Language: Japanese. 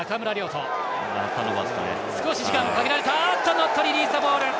ノットリリースザボール。